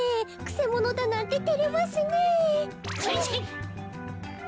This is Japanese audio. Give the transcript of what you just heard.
くせものだなんててれますねえ。